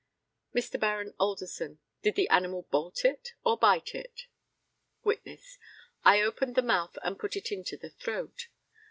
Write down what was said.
Mr. Baron ALDERSON: Did the animal bolt it or bite it? Witness: I opened the mouth and put it into the throat.